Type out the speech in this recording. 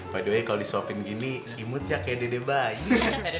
by the way kalau disuapin gini imut ya kayak dede bayi